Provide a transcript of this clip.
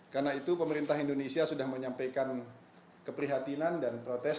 karena itu pemerintah indonesia sudah menyampaikan keprihatinan dan protes